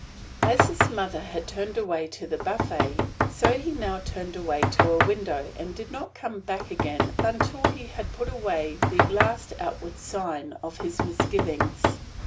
As his mother had turned away to the buffet, so he now turned away to a window, and did not come back until he had put away the last outward sign of his misgivings.